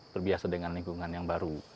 terbiasa dengan lingkungan yang baru